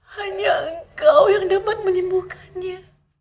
hanya engkau yang dapat menyembuhkannya